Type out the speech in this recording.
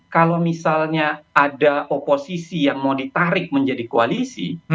kalau misalnya ada oposisi yang mau ditarik menjadi koalisi